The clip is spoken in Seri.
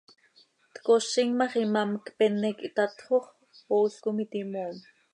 Tcozim ma x, imám cpene quih tatxo x, ool com iti moom.